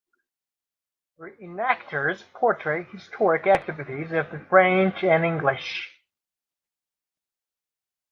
Re-enactors portray historic activities of the French and English.